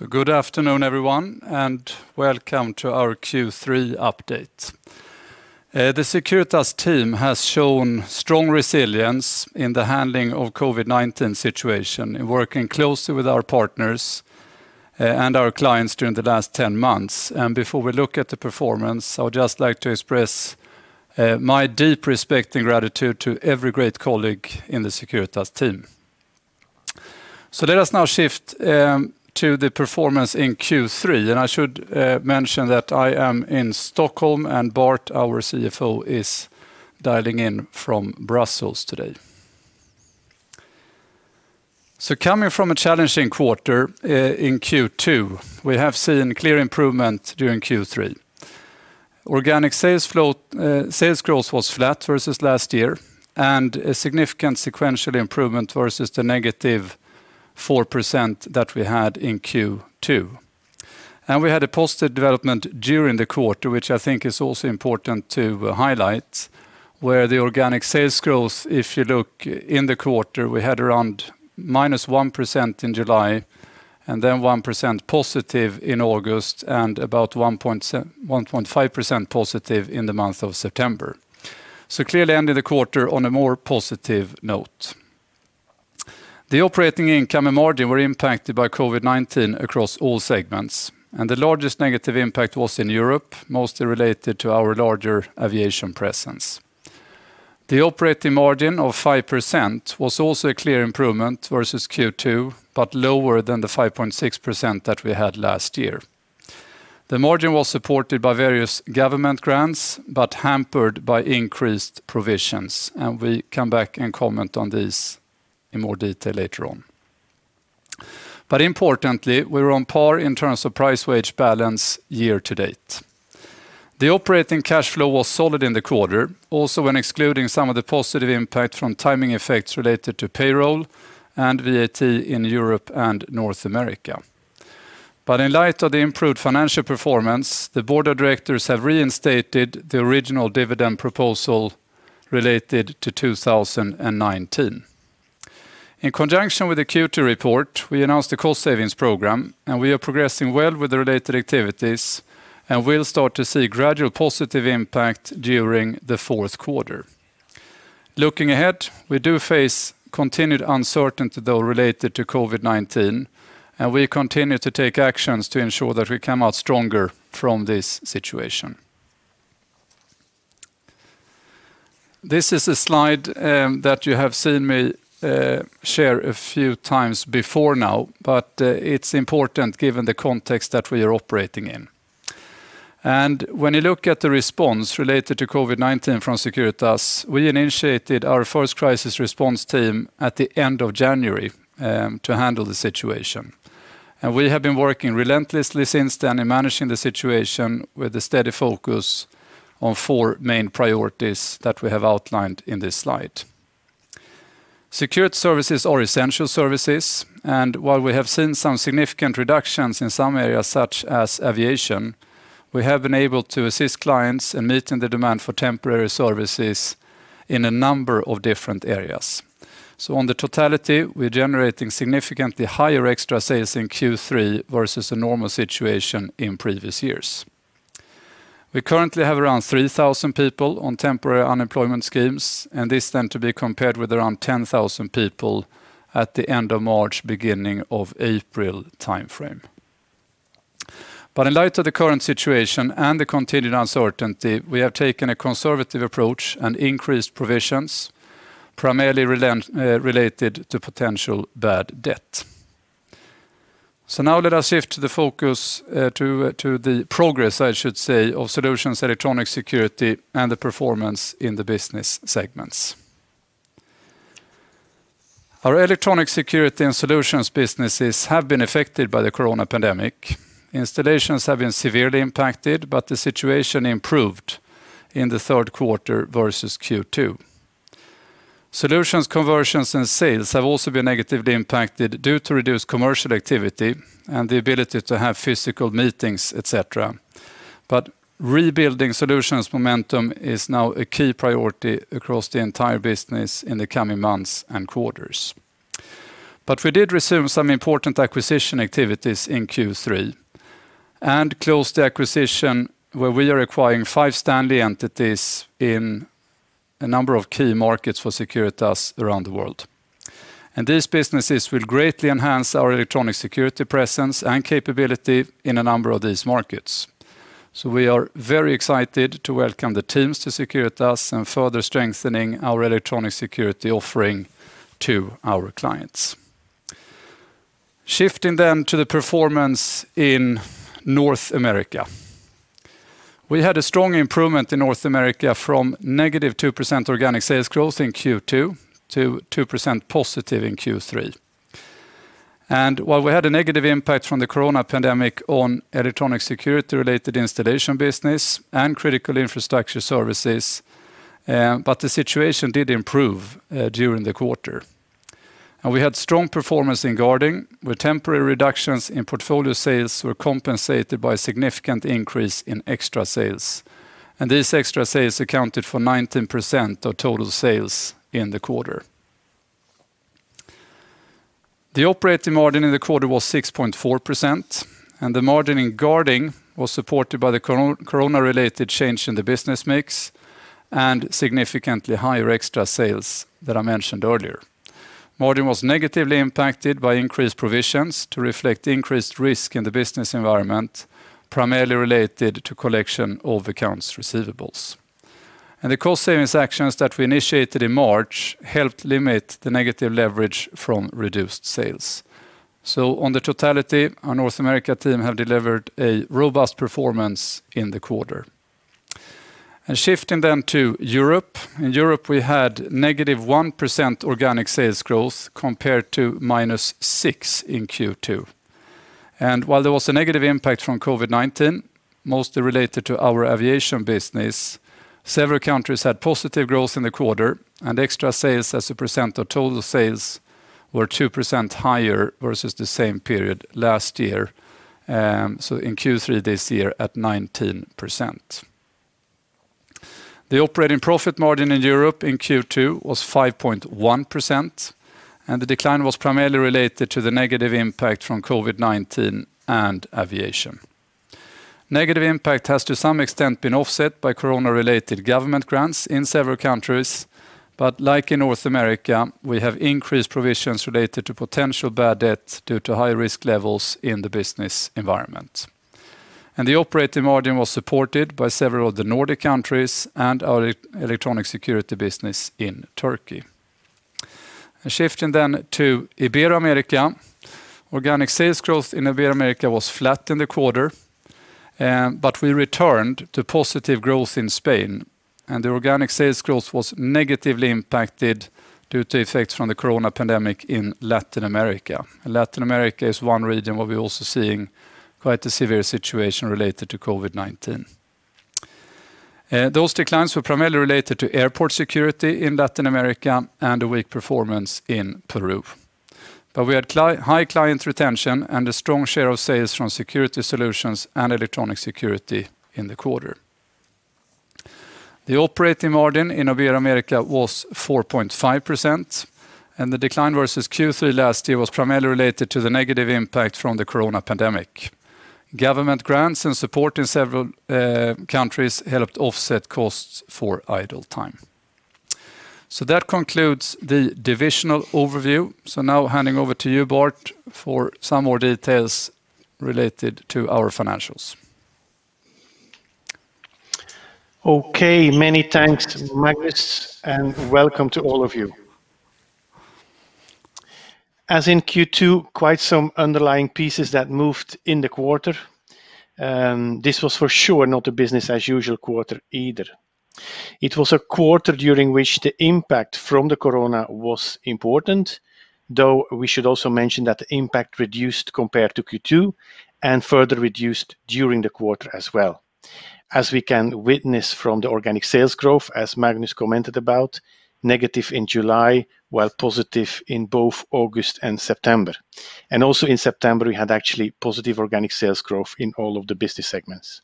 Good afternoon, everyone, and welcome to our Q3 update. The Securitas team has shown strong resilience in the handling of COVID-19 situation, in working closely with our partners and our clients during the last 10 months. Before we look at the performance, I would just like to express my deep respect and gratitude to every great colleague in the Securitas team. Let us now shift to the performance in Q3, and I should mention that I am in Stockholm and Bart, our CFO, is dialing in from Brussels today. Coming from a challenging quarter in Q2, we have seen clear improvement during Q3. Organic sales growth was flat versus last year and a significant sequential improvement versus the -4% that we had in Q2. We had a positive development during the quarter, which I think is also important to highlight, where the organic sales growth, if you look in the quarter, we had around minus 1% in July, then 1% positive in August and about 1.5% positive in the month of September. Clearly ended the quarter on a more positive note. The operating income and margin were impacted by COVID-19 across all segments, and the largest negative impact was in Europe, mostly related to our larger aviation presence. The operating margin of 5% was also a clear improvement versus Q2, but lower than the 5.6% that we had last year. The margin was supported by various government grants, but hampered by increased provisions, and we come back and comment on these in more detail later on. Importantly, we were on par in terms of price wage balance year to date. The operating cash flow was solid in the quarter, also when excluding some of the positive impact from timing effects related to payroll and VAT in Europe and North America. In light of the improved financial performance, the board of directors have reinstated the original dividend proposal related to 2019. In conjunction with the Q2 report, we announced a cost savings program, and we are progressing well with the related activities and will start to see gradual positive impact during the fourth quarter. Looking ahead, we do face continued uncertainty, though, related to COVID-19, and we continue to take actions to ensure that we come out stronger from this situation. This is a slide that you have seen me share a few times before now, but it's important given the context that we are operating in. When you look at the response related to COVID-19 from Securitas, we initiated our first crisis response team at the end of January to handle the situation. We have been working relentlessly since then in managing the situation with a steady focus on four main priorities that we have outlined in this slide. Security services are essential services, and while we have seen some significant reductions in some areas such as aviation, we have been able to assist clients in meeting the demand for temporary services in a number of different areas. On the totality, we are generating significantly higher extra sales in Q3 versus a normal situation in previous years. We currently have around 3,000 people on temporary unemployment schemes, and this tend to be compared with around 10,000 people at the end of March, beginning of April timeframe. In light of the current situation and the continued uncertainty, we have taken a conservative approach and increased provisions primarily related to potential bad debt. Now let us shift the focus to the progress, I should say, of solutions electronic security and the performance in the business segments. Our electronic security and solutions businesses have been affected by the corona pandemic. Installations have been severely impacted, but the situation improved in the third quarter versus Q2. Solutions conversions and sales have also been negatively impacted due to reduced commercial activity and the ability to have physical meetings, et cetera. Rebuilding solutions momentum is now a key priority across the entire business in the coming months and quarters. We did resume some important acquisition activities in Q3 and closed the acquisition where we are acquiring five standing entities in a number of key markets for Securitas around the world. These businesses will greatly enhance our electronic security presence and capability in a number of these markets. We are very excited to welcome the teams to Securitas and further strengthening our electronic security offering to our clients. Shifting to the performance in North America. We had a strong improvement in North America from negative 2% organic sales growth in Q2 to 2% positive in Q3. While we had a negative impact from the corona pandemic on electronic security related installation business and critical infrastructure services, but the situation did improve during the quarter. We had strong performance in guarding, where temporary reductions in portfolio sales were compensated by a significant increase in extra sales. These extra sales accounted for 19% of total sales in the quarter. The operating margin in the quarter was 6.4%, and the margin in guarding was supported by the COVID-19-related change in the business mix and significantly higher extra sales that I mentioned earlier. Margin was negatively impacted by increased provisions to reflect increased risk in the business environment, primarily related to collection of accounts receivables. The cost savings actions that we initiated in March helped limit the negative leverage from reduced sales. On the totality, our North America team have delivered a robust performance in the quarter. Shifting then to Europe. In Europe, we had negative 1% organic sales growth compared to -6% in Q2. While there was a negative impact from COVID-19, mostly related to our aviation business, several countries had positive growth in the quarter, and extra sales as a percent of total sales were 2% higher versus the same period last year. In Q3 this year at 19%. The operating profit margin in Europe in Q2 was 5.1%, and the decline was primarily related to the negative impact from COVID-19 and aviation. Negative impact has to some extent been offset by corona-related government grants in several countries, but like in North America, we have increased provisions related to potential bad debt due to high risk levels in the business environment. The operating margin was supported by several of the Nordic countries and our electronic security business in Turkey. Shifting then to Ibero-America. Organic sales growth in Ibero-America was flat in the quarter, but we returned to positive growth in Spain, and the organic sales growth was negatively impacted due to effects from the COVID-19 in Latin America. Latin America is one region where we're also seeing quite a severe situation related to COVID-19. Those declines were primarily related to airport security in Latin America and a weak performance in Peru. We had high client retention and a strong share of sales from security solutions and electronic security in the quarter. The operating margin in Ibero-America was 4.5%, and the decline versus Q3 last year was primarily related to the negative impact from the COVID-19. Government grants and support in several countries helped offset costs for idle time. That concludes the divisional overview. Now handing over to you, Bart, for some more details related to our financials. Many thanks, Magnus, and welcome to all of you. As in Q2, quite some underlying pieces that moved in the quarter. This was for sure not a business as usual quarter either. It was a quarter during which the impact from the corona was important, though we should also mention that the impact reduced compared to Q2 and further reduced during the quarter as well. As we can witness from the organic sales growth, as Magnus commented about, negative in July, while positive in both August and September. Also in September, we had actually positive organic sales growth in all of the business segments.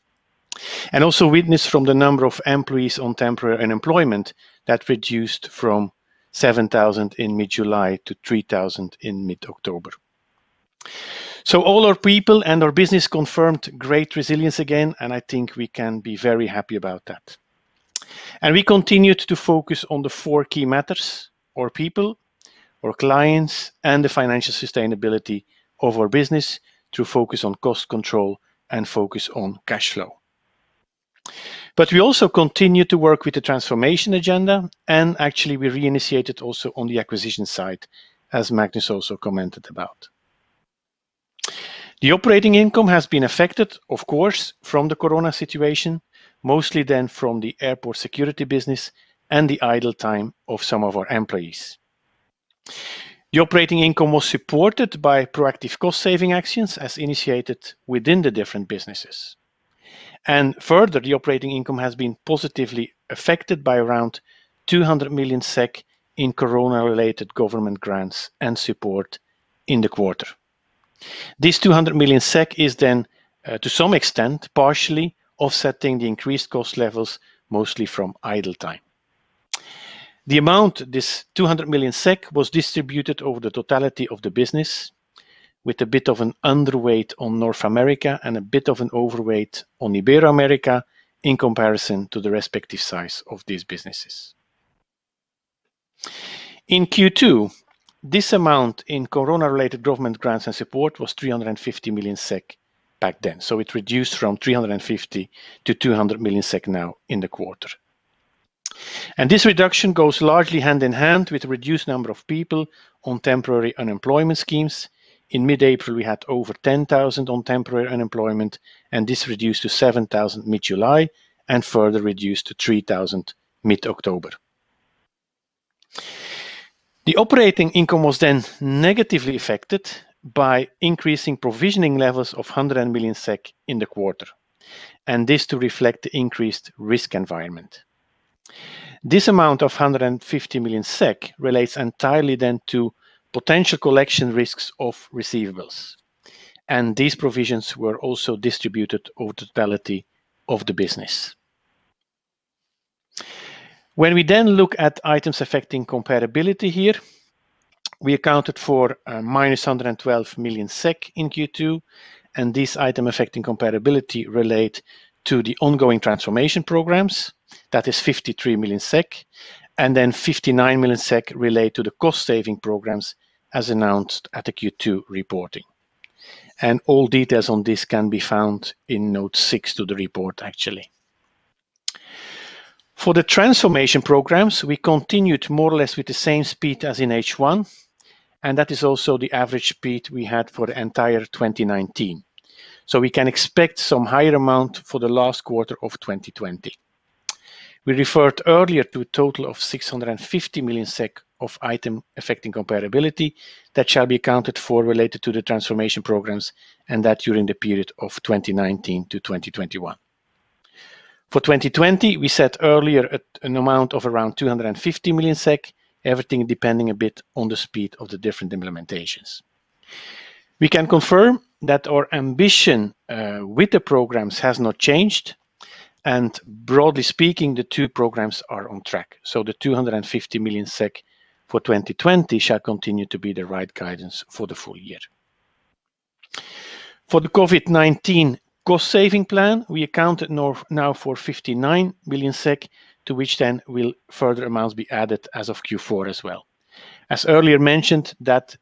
Also witness from the number of employees on temporary unemployment that reduced from 7,000 in mid-July to 3,000 in mid-October. All our people and our business confirmed great resilience again, and I think we can be very happy about that. We continued to focus on the four key matters: our people, our clients, and the financial sustainability of our business to focus on cost control and focus on cash flow. We also continue to work with the transformation agenda, and actually we reinitiated also on the acquisition side, as Magnus also commented about. The operating income has been affected, of course, from the corona situation, mostly then from the airport security business and the idle time of some of our employees. The operating income was supported by proactive cost-saving actions as initiated within the different businesses. Further, the operating income has been positively affected by around 200 million SEK in corona-related government grants and support in the quarter. This 200 million SEK is then, to some extent, partially offsetting the increased cost levels, mostly from idle time. The amount, this 200 million SEK, was distributed over the totality of the business with a bit of an underweight on North America and a bit of an overweight on Ibero-America in comparison to the respective size of these businesses. In Q2, this amount in COVID-19-related government grants and support was 350 million SEK back then. It reduced from 350 million to 200 million SEK now in the quarter. This reduction goes largely hand in hand with reduced number of people on temporary unemployment schemes. In mid-April, we had over 10,000 on temporary unemployment, and this reduced to 7,000 mid-July and further reduced to 3,000 mid-October. The operating income was then negatively affected by increasing provisioning levels of 100 million SEK in the quarter, and this to reflect the increased risk environment. This amount of 150 million SEK relates entirely then to potential collection risks of receivables, and these provisions were also distributed over the totality of the business. When we look at items affecting comparability here, we accounted for a minus 112 million SEK in Q2. This item affecting comparability relates to the ongoing Transformation Programs. That is 53 million SEK. 59 million SEK relates to the Cost-Saving Programs as announced at the Q2 reporting. All details on this can be found in note six to the report, actually. For the Transformation Programs, we continued more or less with the same speed as in H1. That is also the average speed we had for the entire 2019. We can expect some higher amount for the last quarter of 2020. We referred earlier to a total of 650 million SEK of items affecting comparability that shall be accounted for related to the transformation programs, that during the period of 2019 to 2021. For 2020, we said earlier at an amount of around 250 million SEK, everything depending a bit on the speed of the different implementations. We can confirm that our ambition with the programs has not changed, broadly speaking, the two programs are on track. The 250 million SEK for 2020 shall continue to be the right guidance for the full year. For the COVID-19 cost-saving plan, we accounted now for 59 million SEK, to which then will further amounts be added as of Q4 as well. As earlier mentioned, that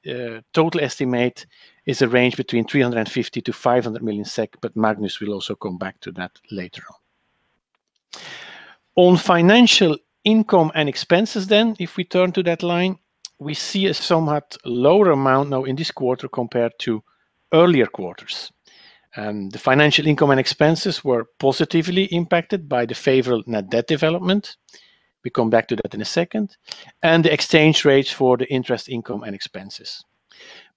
total estimate is a range between 350 million-500 million SEK, Magnus will also come back to that later on. On financial income and expenses then, if we turn to that line, we see a somewhat lower amount now in this quarter compared to earlier quarters. The financial income and expenses were positively impacted by the favorable net debt development, we come back to that in a second, and the exchange rates for the interest income and expenses.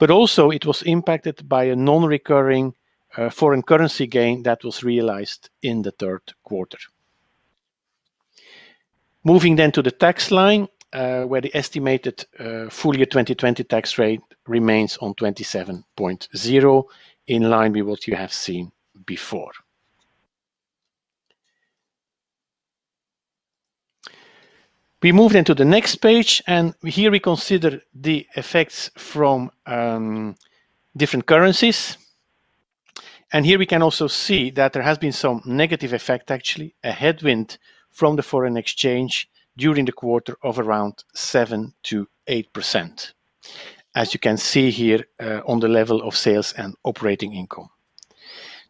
Also it was impacted by a non-recurring foreign currency gain that was realized in the third quarter. Moving then to the tax line, where the estimated full year 2020 tax rate remains on 27.0, in line with what you have seen before. We move then to the next page, and here we consider the effects from different currencies. Here we can also see that there has been some negative effect, actually, a headwind from the foreign exchange during the quarter of around 7%-8%, as you can see here on the level of sales and operating income.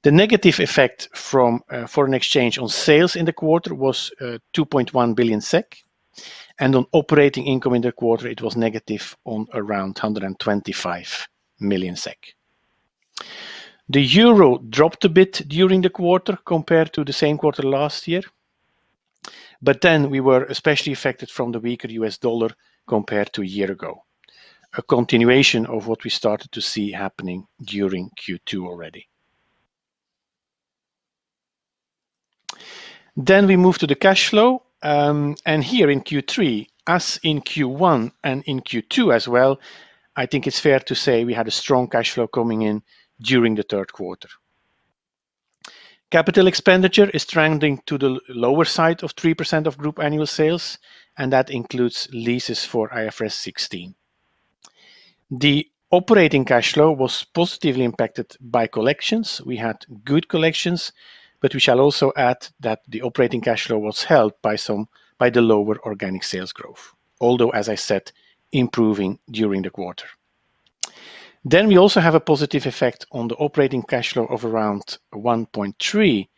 The negative effect from foreign exchange on sales in the quarter was 2.1 billion SEK, and on operating income in the quarter, it was negative on around 125 million SEK. The euro dropped a bit during the quarter compared to the same quarter last year. We were especially affected from the weaker US dollar compared to a year ago, a continuation of what we started to see happening during Q2 already. We move to the cash flow, and here in Q3, as in Q1 and in Q2 as well, I think it's fair to say we had a strong cash flow coming in during the third quarter. Capital expenditure is trending to the lower side of 3% of group annual sales, and that includes leases for IFRS 16. The operating cash flow was positively impacted by collections. We had good collections, but we shall also add that the operating cash flow was held by the lower organic sales growth, although, as I said, improving during the quarter. We also have a positive effect on the operating cash flow of around 1.3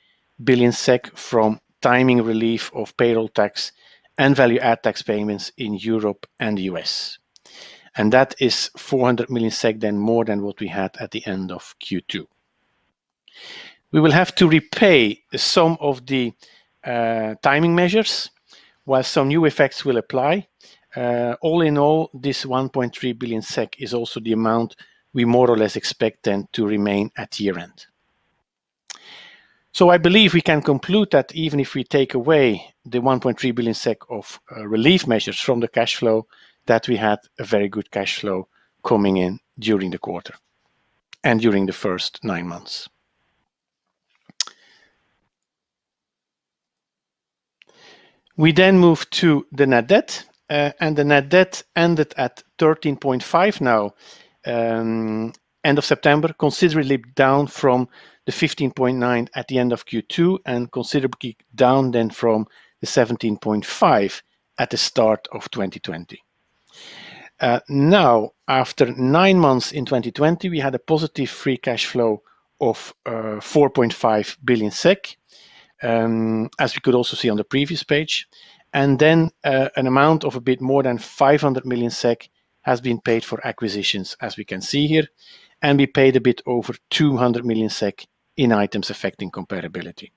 billion SEK from timing relief of payroll tax and value-add tax payments in Europe and the U.S. That is 400 million SEK than more than what we had at the end of Q2. We will have to repay some of the timing measures, while some new effects will apply. This 1.3 billion SEK is also the amount we more or less expect then to remain at year-end. I believe we can conclude that even if we take away the 1.3 billion SEK of relief measures from the cash flow, that we had a very good cash flow coming in during the quarter and during the first nine months. We then move to the net debt, the net debt ended at 13.5 now end of September, considerably down from the 15.9 at the end of Q2 and considerably down then from the 17.5 at the start of 2020. After nine months in 2020, we had a positive free cash flow of 4.5 billion SEK, as we could also see on the previous page. An amount of a bit more than 500 million SEK has been paid for acquisitions, as we can see here, and we paid a bit over 200 million SEK in items affecting comparability.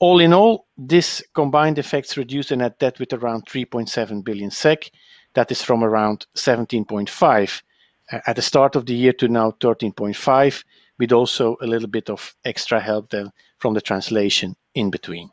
All in all, this combined effects reduce a net debt with around 3.7 billion SEK. That is from around 17.5 at the start of the year to now 13.5, with also a little bit of extra help there from the translation in between.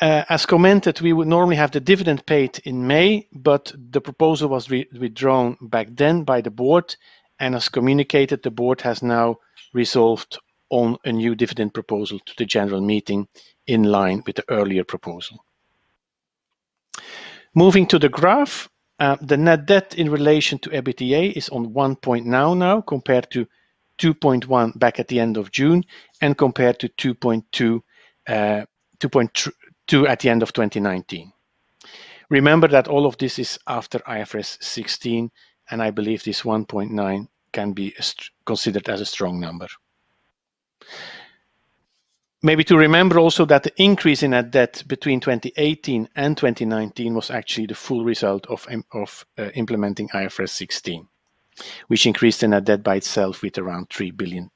As commented, we would normally have the dividend paid in May, but the proposal was withdrawn back then by the Board, and as communicated, the Board has now resolved on a new dividend proposal to the General Meeting in line with the earlier proposal. Moving to the graph, the net debt in relation to EBITDA is on 1.9 now compared to 2.1 back at the end of June, and compared to 2.2 at the end of 2019. Remember that all of this is after IFRS 16, and I believe this 1.9 can be considered as a strong number. Maybe to remember also that the increase in our debt between 2018 and 2019 was actually the full result of implementing IFRS 16, which increased the net debt by itself with around 3 billion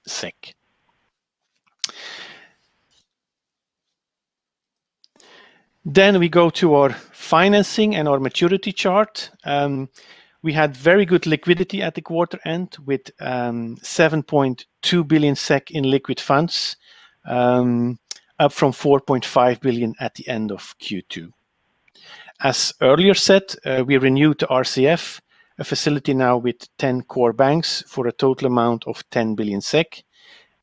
SEK. We go to our financing and our maturity chart. We had very good liquidity at the quarter end with 7.2 billion SEK in liquid funds, up from 4.5 billion SEK at the end of Q2. As earlier said, we renewed RCF, a facility now with 10 core banks for a total amount of 10 billion SEK.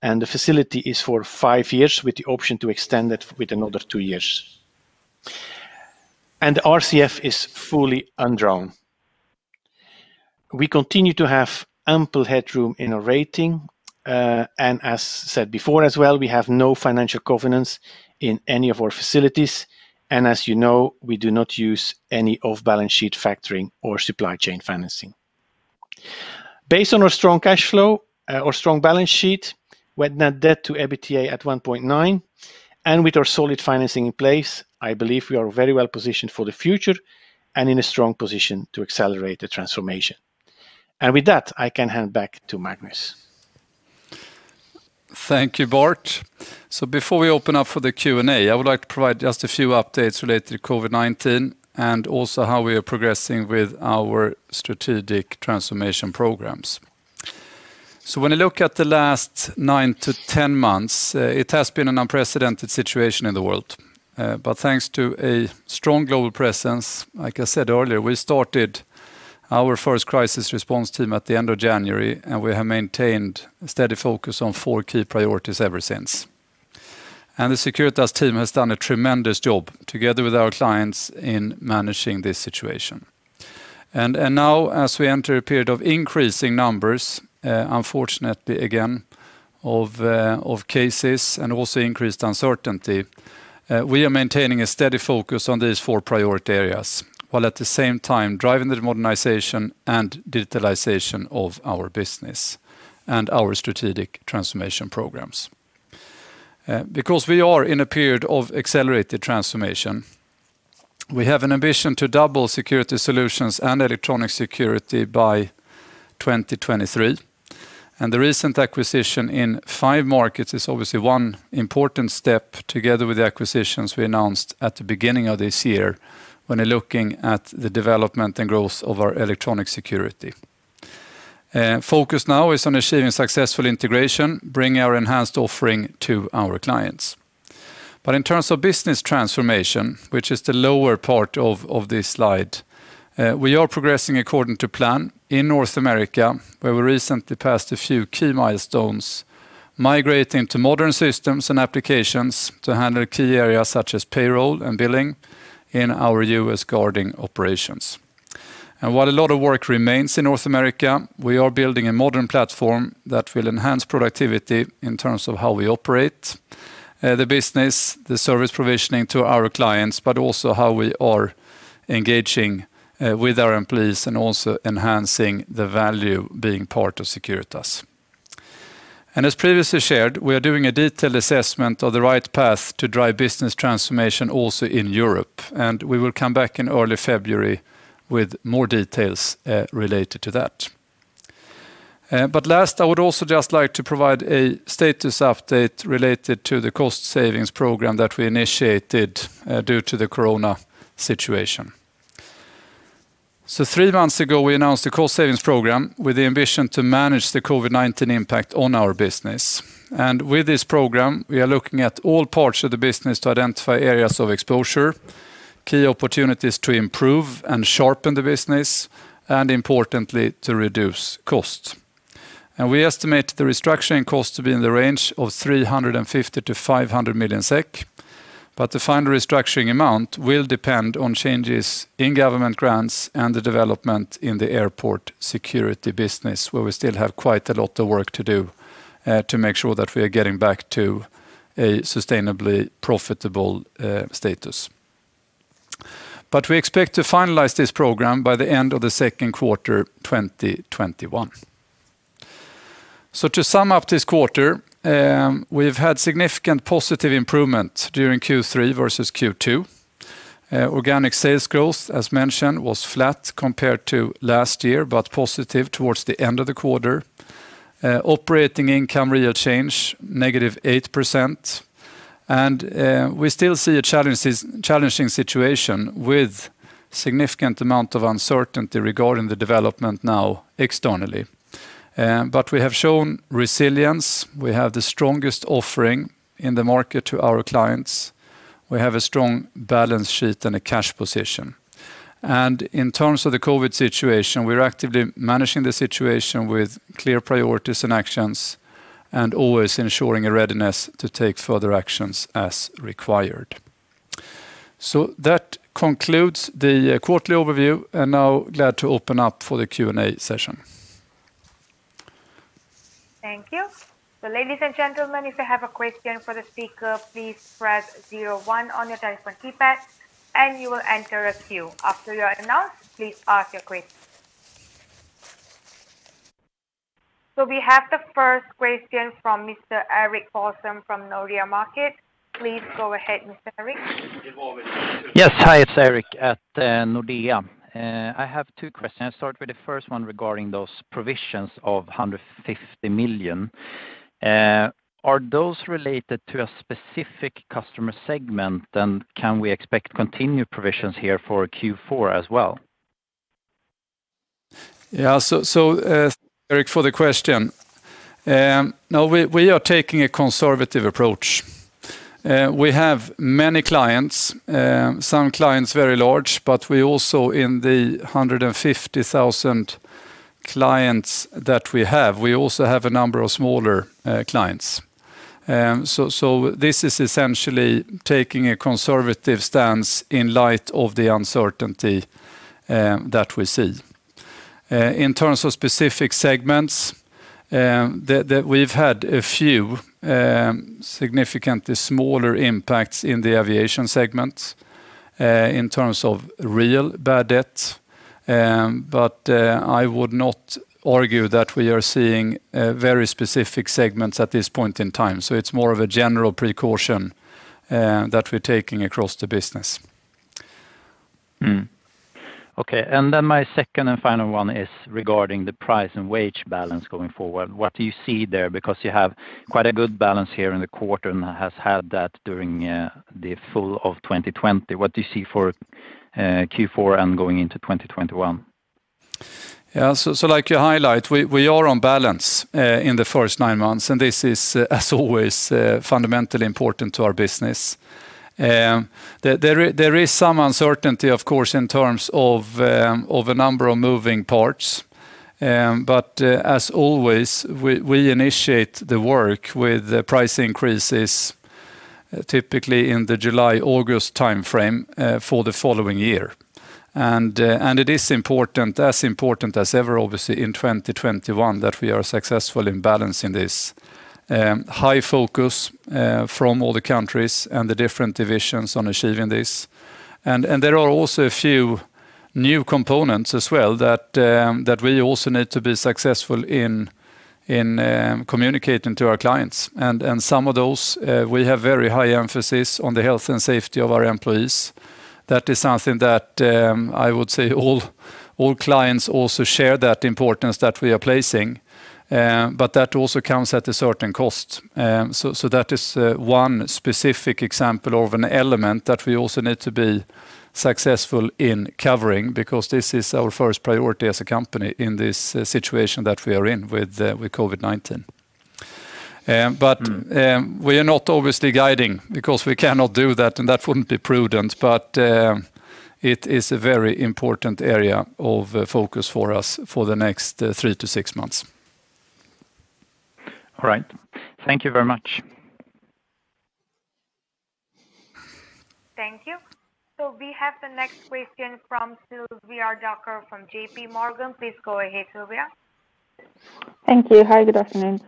The facility is for 5 years with the option to extend it with another 2 years. RCF is fully undrawn. We continue to have ample headroom in our rating. As said before as well, we have no financial governance in any of our facilities. As you know, we do not use any off-balance sheet factoring or supply chain financing. Based on our strong cash flow, our strong balance sheet, with net debt to EBITDA at 1.9, and with our solid financing in place, I believe we are very well positioned for the future and in a strong position to accelerate the transformation. With that, I can hand back to Magnus. Thank you, Bart. Before we open up for the Q&A, I would like to provide just a few updates related to COVID-19 and also how we are progressing with our strategic transformation programs. When you look at the last nine to 10 months, it has been an unprecedented situation in the world. Thanks to a strong global presence, like I said earlier, we started our first crisis response team at the end of January, and we have maintained a steady focus on four key priorities ever since. The Securitas team has done a tremendous job together with our clients in managing this situation. Now as we enter a period of increasing numbers, unfortunately again, of cases and also increased uncertainty, we are maintaining a steady focus on these four priority areas, while at the same time driving the modernization and digitalization of our business and our strategic transformation programs. Because we are in a period of accelerated transformation, we have an ambition to double security solutions and electronic security by 2023. The recent acquisition in five markets is obviously one important step together with the acquisitions we announced at the beginning of this year when looking at the development and growth of our electronic security. Focus now is on achieving successful integration, bringing our enhanced offering to our clients. In terms of business transformation, which is the lower part of this slide, we are progressing according to plan in North America, where we recently passed a few key milestones, migrating to modern systems and applications to handle key areas such as payroll and billing in our U.S. guarding operations. While a lot of work remains in North America, we are building a modern platform that will enhance productivity in terms of how we operate the business, the service provisioning to our clients, but also how we are engaging with our employees and also enhancing the value being part of Securitas. As previously shared, we are doing a detailed assessment of the right path to drive business transformation also in Europe. We will come back in early February with more details related to that. Last, I would also just like to provide a status update related to the cost savings program that we initiated due to the corona situation. Three months ago, we announced a cost savings program with the ambition to manage the COVID-19 impact on our business. With this program, we are looking at all parts of the business to identify areas of exposure, key opportunities to improve and sharpen the business, and importantly, to reduce cost. We estimate the restructuring cost to be in the range of 350 million-500 million SEK, but the final restructuring amount will depend on changes in government grants and the development in the airport security business, where we still have quite a lot of work to do to make sure that we are getting back to a sustainably profitable status. We expect to finalize this program by the end of the second quarter 2021. To sum up this quarter, we've had significant positive improvement during Q3 versus Q2. Organic sales growth, as mentioned, was flat compared to last year, but positive towards the end of the quarter. Operating income real change, negative 8%. We still see a challenging situation with significant amount of uncertainty regarding the development now externally. We have shown resilience. We have the strongest offering in the market to our clients. We have a strong balance sheet and a cash position. In terms of the COVID situation, we're actively managing the situation with clear priorities and actions, and always ensuring a readiness to take further actions as required. That concludes the quarterly overview, and now glad to open up for the Q&A session. Thank you. Ladies and gentlemen, if you have a question for the speaker, please press zero one on your telephone keypad and you will enter a queue. After you are announced, please ask your question. We have the first question from Mr. Erik Boijsen from Nordea Markets. Please go ahead, Mr. Erik. Yes. Hi, it's Erik at Nordea. I have two questions. I'll start with the first one regarding those provisions of 150 million. Are those related to a specific customer segment, and can we expect continued provisions here for Q4 as well? Yeah. Thanks, Erik, for the question. No, we are taking a conservative approach. We have many clients, some clients very large, but in the 150,000 clients that we have, we also have a number of smaller clients. This is essentially taking a conservative stance in light of the uncertainty that we see. In terms of specific segments, we've had a few significantly smaller impacts in the aviation segment in terms of real bad debt, but I would not argue that we are seeing very specific segments at this point in time. It's more of a general precaution that we're taking across the business. Okay. My second and final one is regarding the price and wage balance going forward. What do you see there? You have quite a good balance here in the quarter and has had that during the full of 2020. What do you see for Q4 and going into 2021? Like you highlight, we are on balance in the first nine months, and this is as always fundamentally important to our business. There is some uncertainty of course, in terms of the number of moving parts. As always, we initiate the work with price increases, typically in the July, August timeframe for the following year. It is as important as ever, obviously in 2021 that we are successful in balancing this. High focus from all the countries and the different divisions on achieving this. There are also a few new components as well that we also need to be successful in communicating to our clients and some of those we have very high emphasis on the health and safety of our employees. That is something that I would say all clients also share that importance that we are placing. That also comes at a certain cost. That is one specific example of an element that we also need to be successful in covering because this is our first priority as a company in this situation that we are in with COVID-19. We are not obviously guiding because we cannot do that, and that wouldn't be prudent. It is a very important area of focus for us for the next three to six months. All right. Thank you very much. Thank you. We have the next question from Sylvia Barker from JPMorgan. Please go ahead, Sylvia. Thank you. Hi, good afternoon.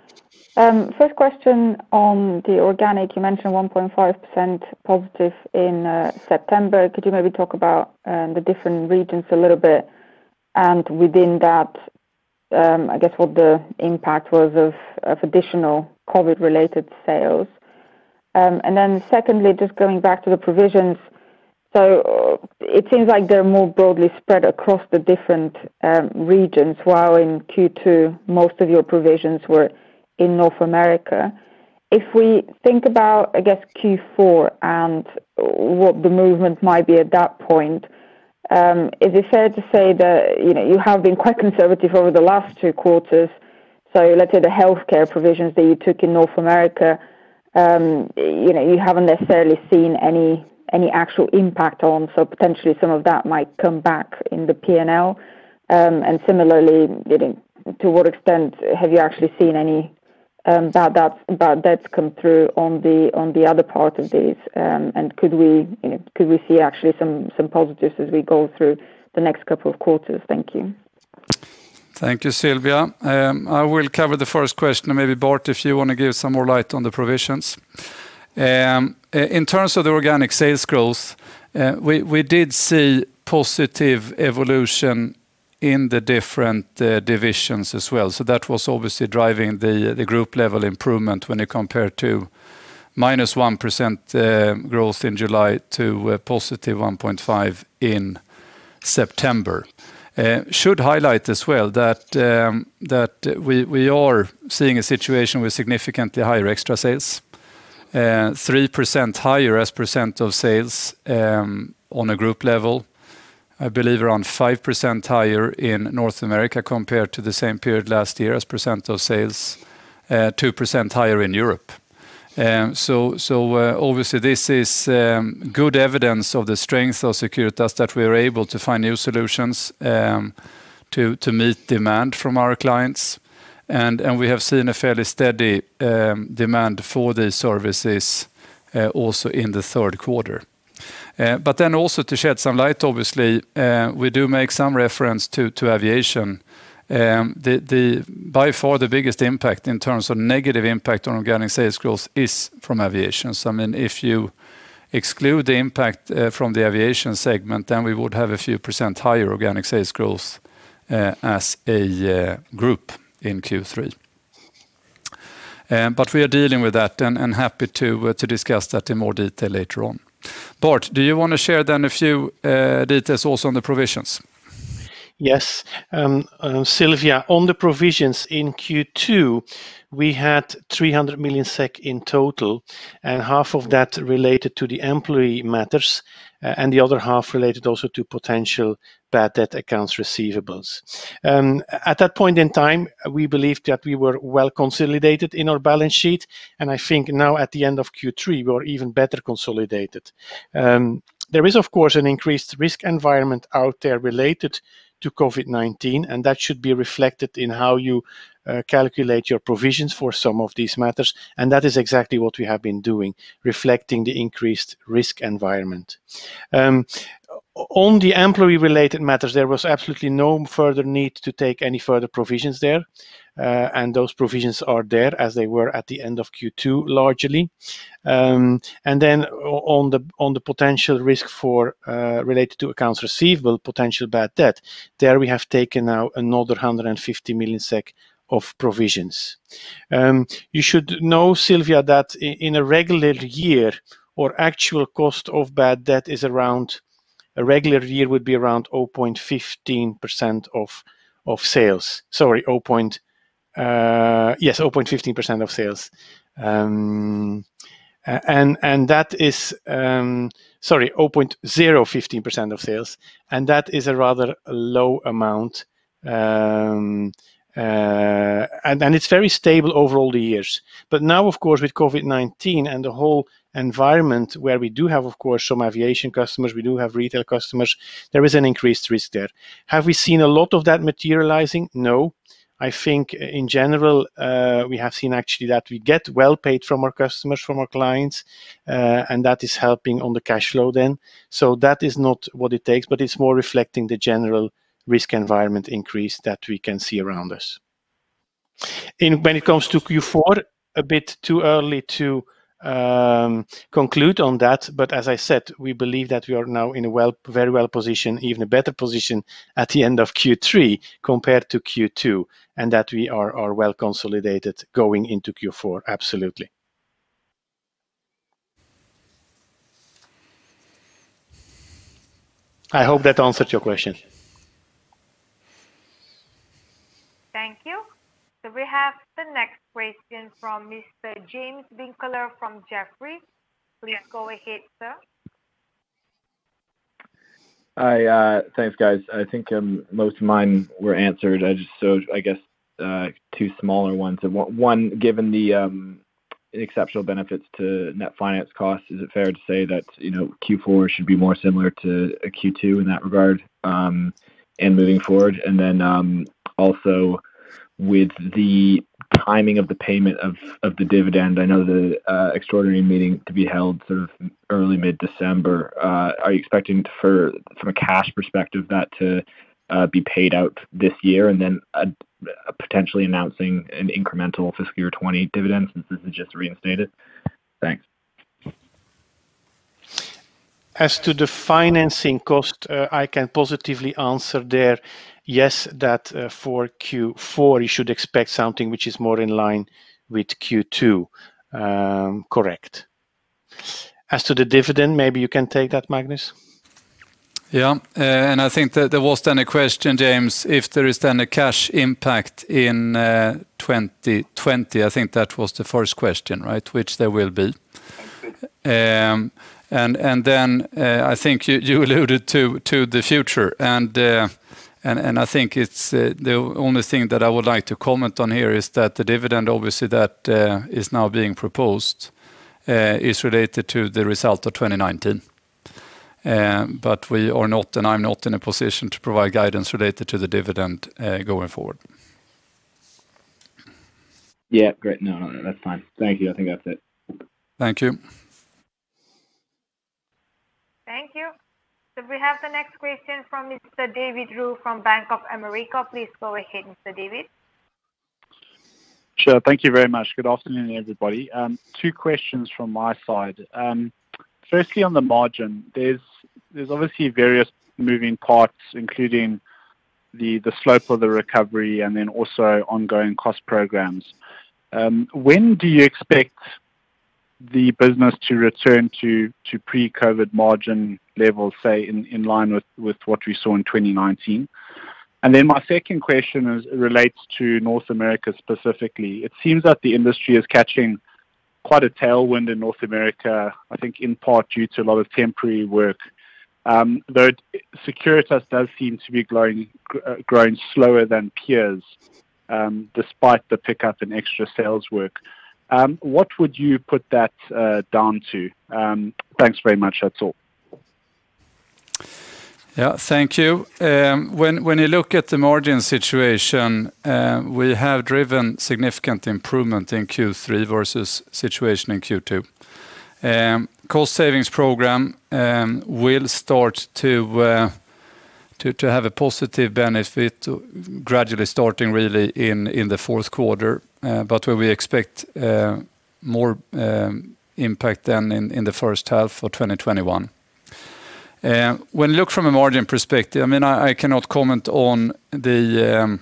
First question on the organic, you mentioned 1.5% positive in September. Could you maybe talk about the different regions a little bit, within that I guess what the impact was of additional COVID related sales. Secondly, just going back to the provisions. It seems like they're more broadly spread across the different regions, while in Q2 most of your provisions were in North America. If we think about, I guess Q4 and what the movement might be at that point, is it fair to say that you have been quite conservative over the last two quarters. Let's say the healthcare provisions that you took in North America, you haven't necessarily seen any actual impact on so potentially some of that might come back in the P&L. Similarly to what extent have you actually seen any bad debts come through on the other part of these? Could we see actually some positives as we go through the next couple of quarters? Thank you. Thank you, Sylvia. I will cover the first question and maybe Bart, if you want to give some more light on the provisions. In terms of the organic sales growth, we did see positive evolution in the different divisions as well. That was obviously driving the group level improvement when you compare to -1% growth in July to a 1.5% in September. Should highlight as well that we are seeing a situation with significantly higher extra sales 3% higher as % of sales on a group level. I believe around 5% higher in North America compared to the same period last year as percent of sales, 2% higher in Europe. Obviously this is good evidence of the strength of Securitas that we are able to find new solutions to meet demand from our clients. We have seen a fairly steady demand for these services also in the third quarter. Also to shed some light, obviously, we do make some reference to aviation. By far the biggest impact in terms of negative impact on organic sales growth is from aviation. If you exclude the impact from the aviation segment, then we would have a few percent higher organic sales growth as a group in Q3. We are dealing with that and happy to discuss that in more detail later on. Bart, do you want to share then a few details also on the provisions? Yes. Sylvia, on the provisions in Q2, we had 300 million SEK in total, and half of that related to the employee matters, and the other half related also to potential bad debt accounts receivables. At that point in time, we believed that we were well consolidated in our balance sheet, and I think now at the end of Q3, we are even better consolidated. There is of course an increased risk environment out there related to COVID-19, and that should be reflected in how you calculate your provisions for some of these matters, and that is exactly what we have been doing, reflecting the increased risk environment. On the employee related matters, there was absolutely no further need to take any further provisions there. Those provisions are there as they were at the end of Q2, largely. On the potential risk related to accounts receivable, potential bad debt, there we have taken now another 150 million SEK of provisions. You should know, Sylvia, that in a regular year our actual cost of bad debt is around, a regular year would be around 0.15% of sales. Sorry, yes, 0.15% of sales. Sorry, 0.015% of sales, that is a rather low amount. It's very stable over all the years. Now of course with COVID-19 and the whole environment where we do have of course some aviation customers, we do have retail customers, there is an increased risk there. Have we seen a lot of that materializing? No. I think in general, we have seen actually that we get well paid from our customers, from our clients, that is helping on the cash flow then. That is not what it takes, but it's more reflecting the general risk environment increase that we can see around us. When it comes to Q4, a bit too early to conclude on that, but as I said, we believe that we are now in a very well position, even a better position at the end of Q3 compared to Q2, and that we are well consolidated going into Q4, absolutely. I hope that answered your question. Thank you. We have the next question from Mr. James Binkele from Jefferies. Please go ahead, sir. Thanks, guys. I think most of mine were answered. I guess two smaller ones. One, given the exceptional benefits to net finance costs, is it fair to say that Q4 should be more similar to Q2 in that regard and moving forward? Also with the timing of the payment of the dividend, I know the extraordinary meeting to be held sort of early mid-December, are you expecting from a cash perspective that to be paid out this year and then potentially announcing an incremental fiscal year 2020 dividend since this is just reinstated? Thanks. As to the financing cost, I can positively answer there, yes, that for Q4 you should expect something which is more in line with Q2. Correct. As to the dividend, maybe you can take that, Magnus? Yeah. I think that there was then a question, James, if there is then a cash impact in 2020. I think that was the first question, right? Which there will be. Thank you. I think you alluded to the future, and I think the only thing that I would like to comment on here is that the dividend, obviously, that is now being proposed is related to the result of 2019. We are not, and I'm not in a position to provide guidance related to the dividend going forward. Yeah. Great. No, that's fine. Thank you. I think that's it. Thank you. Thank you. We have the next question from Mr. David Roux from Bank of America. Please go ahead, Mr. David. Sure. Thank you very much. Good afternoon, everybody. Two questions from my side. Firstly, on the margin, there's obviously various moving parts, including the slope of the recovery and then also ongoing cost programs. When do you expect the business to return to pre-COVID margin levels, say in line with what we saw in 2019? And then my second question relates to North America specifically. It seems that the industry is catching quite a tailwind in North America, I think in part due to a lot of temporary work. Securitas does seem to be growing slower than peers, despite the pickup in extra sales work. What would you put that down to? Thanks very much. That's all. Thank you. When you look at the margin situation, we have driven significant improvement in Q3 versus situation in Q2. Cost savings program will start to have a positive benefit gradually starting really in the fourth quarter. Where we expect more impact then in the first half of 2021. When you look from a margin perspective, I cannot comment on the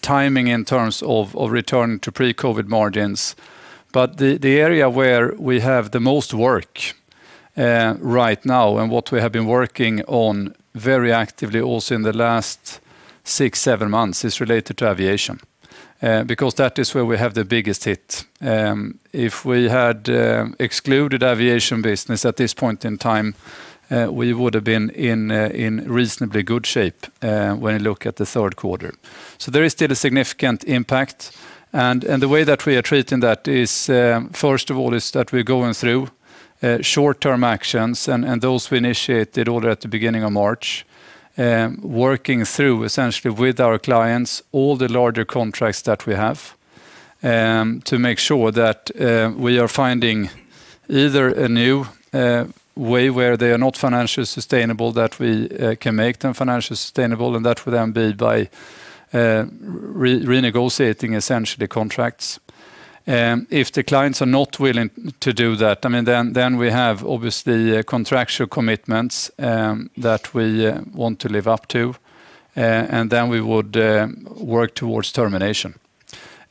timing in terms of return to pre-COVID margins. The area where we have the most work right now, and what we have been working on very actively also in the last six, seven months, is related to aviation. That is where we have the biggest hit. If we had excluded aviation business at this point in time, we would have been in reasonably good shape when you look at the third quarter. There is still a significant impact. The way that we are treating that is, first of all, is that we are going through short-term actions, and those we initiated all at the beginning of March. Working through, essentially, with our clients all the larger contracts that we have to make sure that we are finding either a new way where they are not financially sustainable, that we can make them financially sustainable, and that would then be by renegotiating, essentially, contracts. If the clients are not willing to do that, then we have obviously contractual commitments that we want to live up to. Then we would work towards termination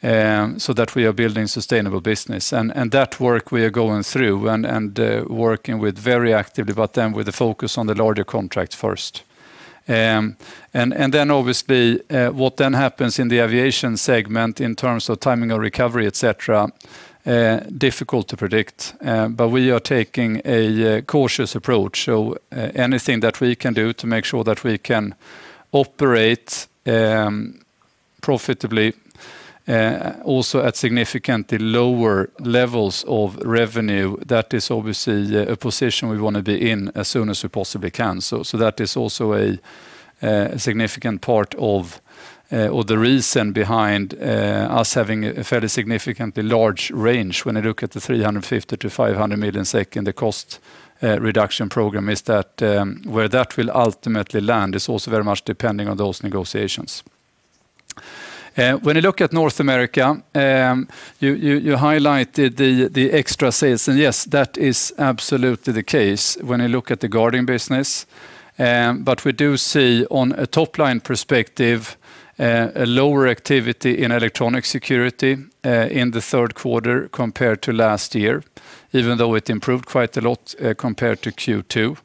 so that we are building sustainable business. That work we are going through and working with very actively, but then with the focus on the larger contracts first. Obviously, what then happens in the aviation segment in terms of timing of recovery, et cetera, difficult to predict. We are taking a cautious approach. Anything that we can do to make sure that we can operate profitably also at significantly lower levels of revenue, that is obviously a position we want to be in as soon as we possibly can. That is also a significant part of the reason behind us having a fairly significantly large range when you look at the 350 million-500 million in the cost reduction program is that where that will ultimately land is also very much depending on those negotiations. When you look at North America, you highlighted the extra sales, and yes, that is absolutely the case when you look at the guarding business. We do see on a top-line perspective a lower activity in electronic security in the third quarter compared to last year, even though it improved quite a lot compared to Q2.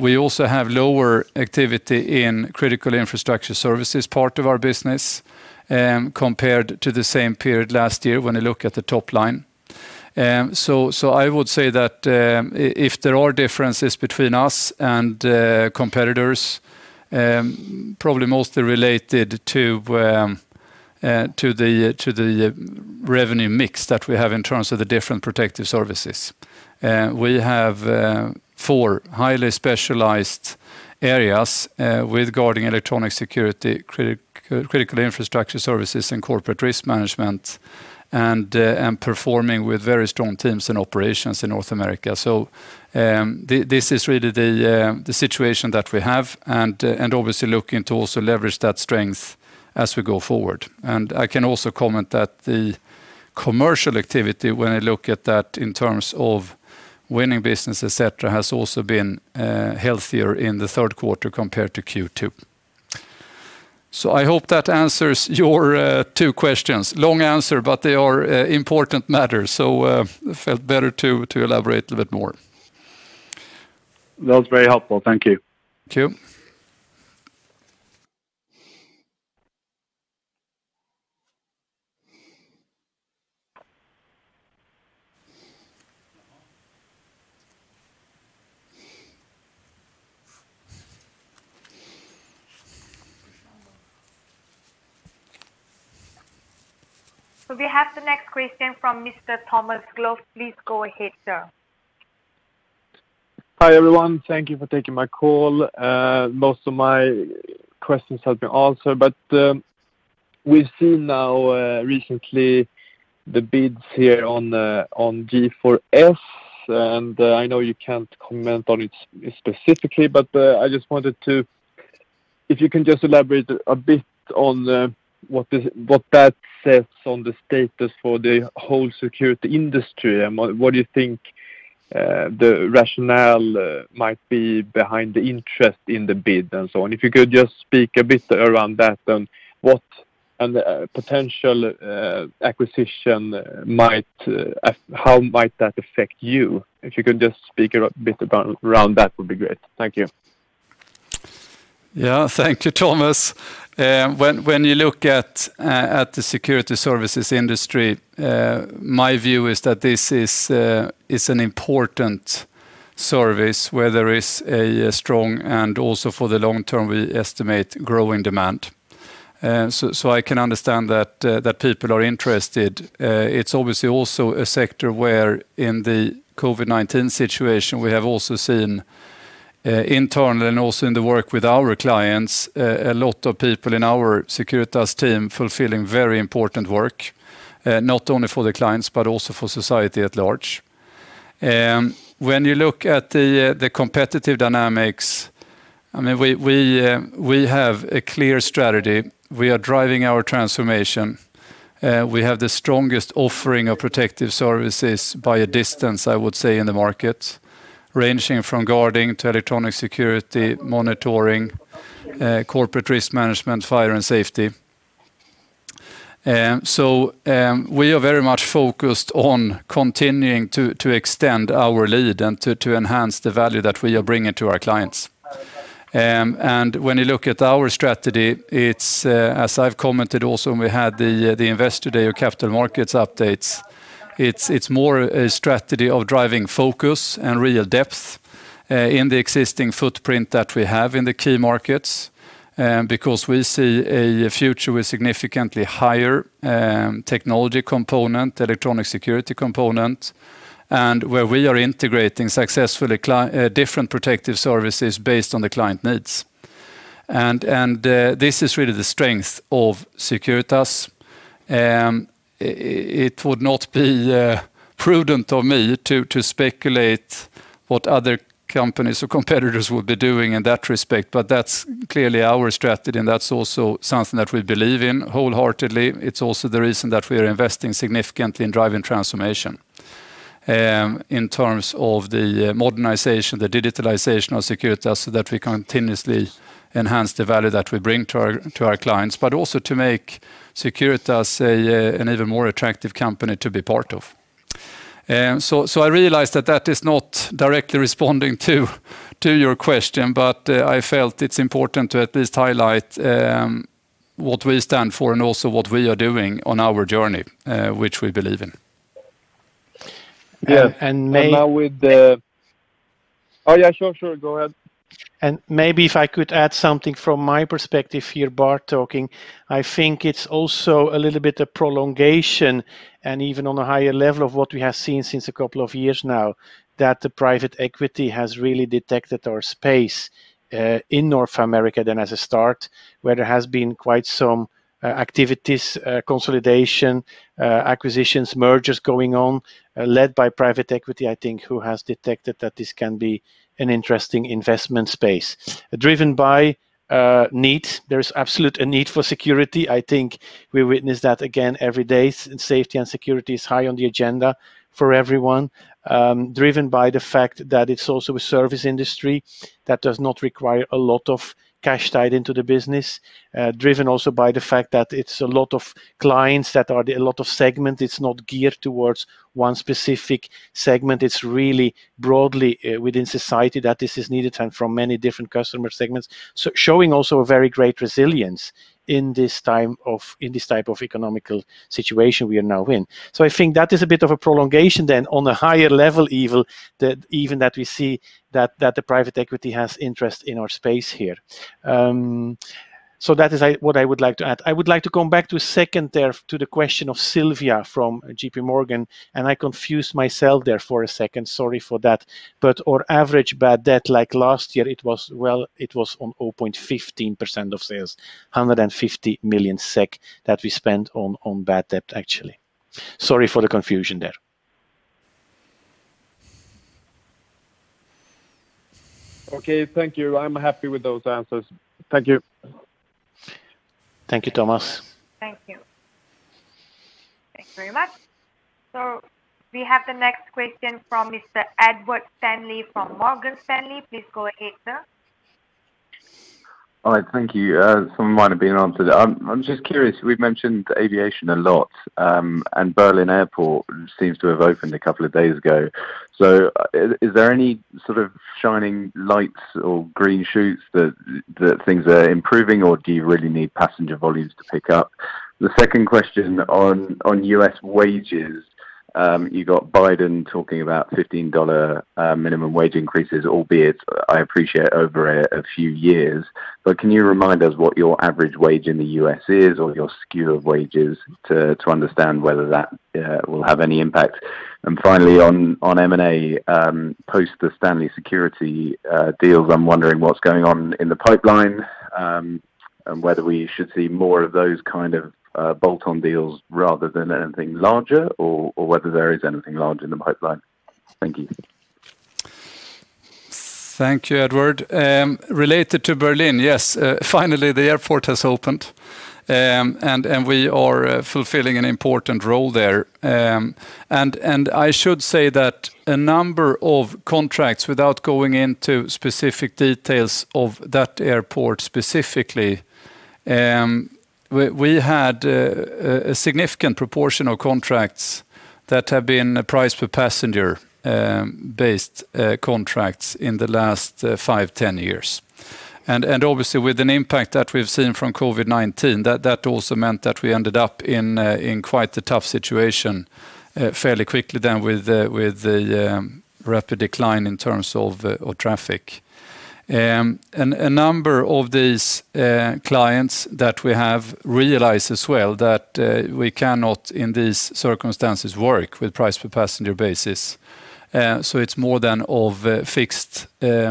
We also have lower activity in critical infrastructure services part of our business compared to the same period last year when you look at the top line. I would say that if there are differences between us and competitors, probably mostly related to the revenue mix that we have in terms of the different protective services. We have four highly specialized areas with guarding electronic security, critical infrastructure services, and corporate risk management, and performing with very strong teams and operations in North America. This is really the situation that we have and obviously looking to also leverage that strength as we go forward. I can also comment that the commercial activity, when I look at that in terms of winning business, et cetera, has also been healthier in the third quarter compared to Q2. I hope that answers your two questions. Long answer, but they are important matters, so felt better to elaborate a little bit more. That was very helpful. Thank you. Thank you. We have the next question from Mr. Thomas Glover. Please go ahead, sir. Hi, everyone. Thank you for taking my call. Most of my questions have been answered, but we've seen now recently the bids here on G4S, and I know you can't comment on it specifically, but I just wanted to if you can just elaborate a bit on what that says on the status for the whole security industry, and what do you think the rationale might be behind the interest in the bid, and so on. If you could just speak a bit around that, and potential acquisition, how might that affect you? If you could just speak a bit around that would be great. Thank you. Yeah. Thank you, Thomas. When you look at the security services industry, my view is that this is an important service where there is a strong and also for the long term, we estimate growing demand. I can understand that people are interested. It's obviously also a sector where in the COVID-19 situation, we have also seen internally and also in the work with our clients, a lot of people in our Securitas team fulfilling very important work, not only for the clients, but also for society at large. When you look at the competitive dynamics, we have a clear strategy. We are driving our transformation. We have the strongest offering of protective services by a distance, I would say, in the market, ranging from guarding to electronic security monitoring, corporate risk management, fire and safety. We are very much focused on continuing to extend our lead and to enhance the value that we are bringing to our clients. When you look at our strategy, it's as I've commented also when we had the investor day of capital markets updates, it's more a strategy of driving focus and real depth in the existing footprint that we have in the key markets, because we see a future with significantly higher technology component, electronic security component, and where we are integrating successfully different protective services based on the client needs. This is really the strength of Securitas. It would not be prudent of me to speculate what other companies or competitors would be doing in that respect. That's clearly our strategy, and that's also something that we believe in wholeheartedly. It's also the reason that we are investing significantly in driving transformation in terms of the modernization, the digitalization of Securitas so that we continuously enhance the value that we bring to our clients, but also to make Securitas an even more attractive company to be part of. I realize that is not directly responding to your question, but I felt it's important to at least highlight what we stand for and also what we are doing on our journey, which we believe in. Yeah. Now with yeah, sure. Go ahead. Maybe if I could add something from my perspective here, Bart talking. I think it's also a little bit of prolongation and even on a higher level of what we have seen since a couple of years now, that the private equity has really detected our space in North America than as a start, where there has been quite some activities, consolidation, acquisitions, mergers going on led by private equity, I think, who has detected that this can be an interesting investment space driven by need. There is absolutely a need for security. I think we witness that again every day. Safety and security is high on the agenda for everyone, driven by the fact that it's also a service industry that does not require a lot of cash tied into the business, driven also by the fact that it's a lot of clients, that are a lot of segment. It's not geared towards one specific segment. It's really broadly within society that this is needed and from many different customer segments. Showing also a very great resilience in this type of economical situation we are now in. I think that is a bit of a prolongation then on a higher level even that we see that the private equity has interest in our space here. That is what I would like to add. I would like to come back to second there to the question of Sylviafrom JPMorgan. I confused myself there for a second. Sorry for that. Our average bad debt, like last year, it was on 0.15% of sales, 150 million SEK that we spent on bad debt, actually. Sorry for the confusion there. Okay. Thank you. I'm happy with those answers. Thank you. Thank you, Thomas. Thank you. Thanks very much. We have the next question from Mr. Edward Stanley from Morgan Stanley. Please go ahead, sir. All right. Thank you. Some might have been answered. I'm just curious, we've mentioned aviation a lot. Berlin Airport seems to have opened a couple of days ago. Is there any sort of shining lights or green shoots that things are improving, or do you really need passenger volumes to pick up? The second question on U.S. wages, you got Biden talking about $15 minimum wage increases, albeit I appreciate over a few years, but can you remind us what your average wage in the U.S. is or your skew of wages to understand whether that will have any impact? Finally, on M&A, post the Stanley Security deals, I'm wondering what's going on in the pipeline, and whether we should see more of those kind of bolt-on deals rather than anything larger or whether there is anything larger in the pipeline. Thank you. Thank you, Edward. Related to Berlin, yes. Finally, the airport has opened. We are fulfilling an important role there. I should say that a number of contracts, without going into specific details of that airport specifically. We had a significant proportion of contracts that have been priced per passenger-based contracts in the last five, 10 years. Obviously with an impact that we've seen from COVID-19, that also meant that we ended up in quite a tough situation fairly quickly then with the rapid decline in terms of traffic. A number of these clients that we have realized as well that we cannot, in these circumstances, work with price per passenger basis. It's more than of a fixed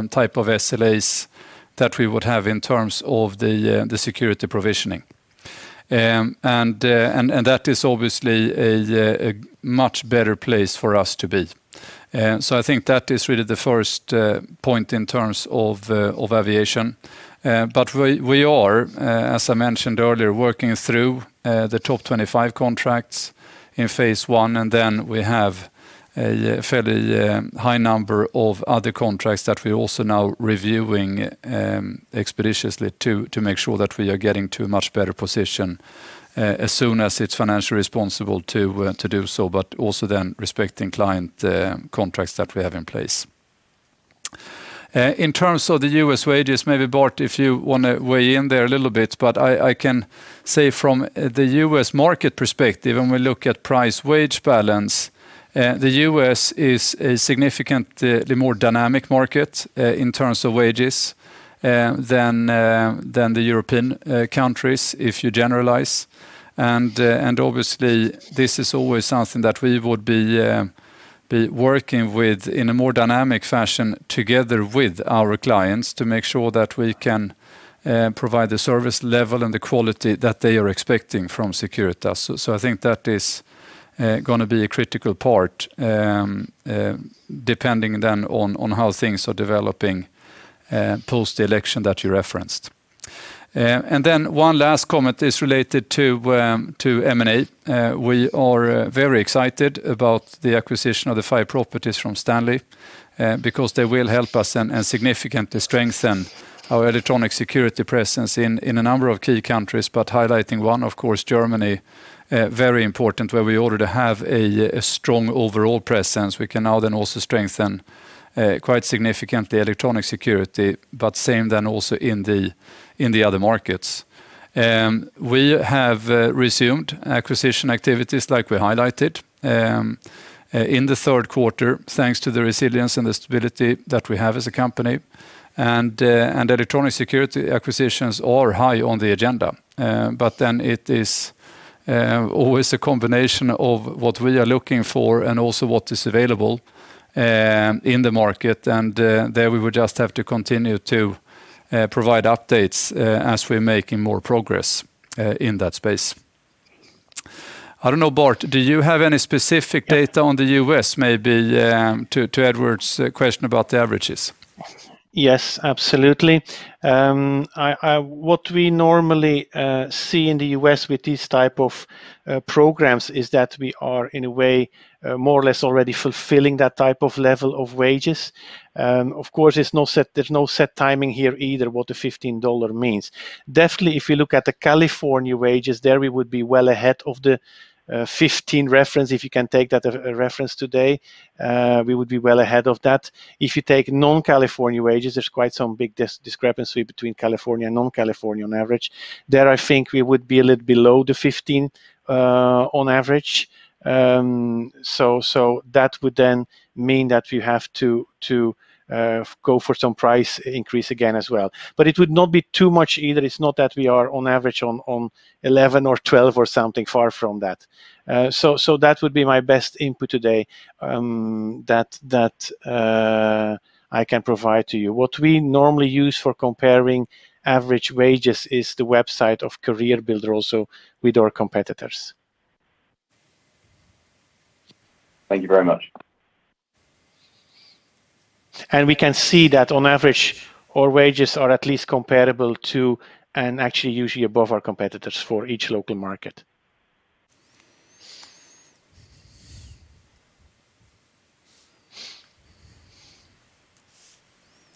type of SLAs that we would have in terms of the security provisioning. That is obviously a much better place for us to be. I think that is really the first point in terms of aviation. We are, as I mentioned earlier, working through the top 25 contracts in phase 1, and then we have a fairly high number of other contracts that we are also now reviewing expeditiously to make sure that we are getting to a much better position, as soon as it's financially responsible to do so, but also then respecting client contracts that we have in place. In terms of the U.S. wages, maybe Bart, if you want to weigh in there a little bit, but I can say from the U.S. market perspective, when we look at price wage balance, the U.S. is a significantly more dynamic market in terms of wages than the European countries, if you generalize. Obviously this is always something that we would be working with in a more dynamic fashion together with our clients to make sure that we can provide the service level and the quality that they are expecting from Securitas. I think that is going to be a critical part, depending then on how things are developing post-election that you referenced. Then one last comment is related to M&A. We are very excited about the acquisition of the five properties from Stanley, because they will help us and significantly strengthen our electronic security presence in a number of key countries. Highlighting one, of course, Germany, very important, where we already have a strong overall presence. We can now then also strengthen quite significantly electronic security, but same then also in the other markets. We have resumed acquisition activities like we highlighted in the third quarter, thanks to the resilience and the stability that we have as a company, and electronic security acquisitions are high on the agenda. It is always a combination of what we are looking for and also what is available in the market. There we would just have to continue to provide updates as we're making more progress in that space. I don't know, Bart, do you have any specific data on the U.S. maybe to Edward's question about the averages? Yes, absolutely. What we normally see in the U.S. with these type of programs is that we are, in a way, more or less already fulfilling that type of level of wages. Of course, there's no set timing here either what the $15 means. Definitely, if you look at the California wages, there we would be well ahead of the $15 reference, if you can take that as a reference today. We would be well ahead of that. If you take non-California wages, there's quite some big discrepancy between California and non-California on average. There, I think we would be a little below the $15 on average. That would then mean that we have to go for some price increase again as well. It would not be too much either. It's not that we are on average on $11 or $12 or something, far from that. That would be my best input today that I can provide to you. What we normally use for comparing average wages is the website of CareerBuilder, also with our competitors. Thank you very much. We can see that on average, our wages are at least comparable to, and actually usually above our competitors for each local market.